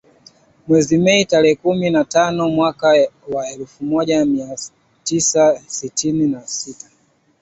Mwezi Mei, tarehe kumi na tano mwaka wa elfu moja mia tisa sitini na sita.